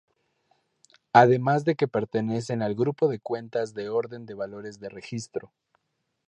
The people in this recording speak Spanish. Además de que pertenecen al grupo de cuentas de orden de valores de registro.